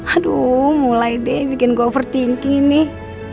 aduh mulai deh bikin gue overthinking nih